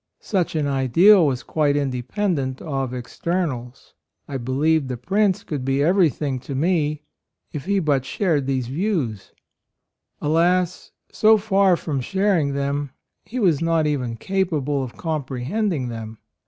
Such an ideal was quite independent of externals. I believed the Prince could be everything to me, if he but shared these views." 14 A ROYAL SON Alas! so far from sharing them, he was not even capable of comprehending them.